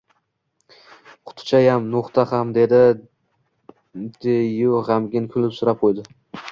Qutichayam. No‘xta ham... — dedi, dedi-yu g‘amgin kulimsirab qo‘ydi.